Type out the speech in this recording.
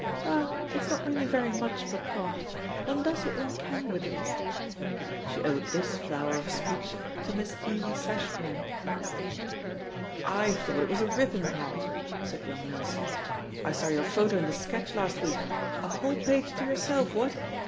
"Ah, it's not really very much of a part — one does what one can with it!" She owed this flower of speech to Miss Eley Sashboume. je64 THE POSITION OF PEGGY HARPBB I thought it was a ripping part/' said young Nelson. "I saw your photo in the Sketch last week — a whole page to yourself, what!